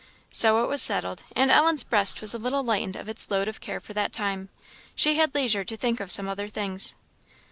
So it was settled; and Ellen's breast was a little lightened of its load of care for that time; she had leisure to think of some other things.